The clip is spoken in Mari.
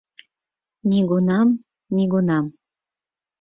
Нигунам-нигунам.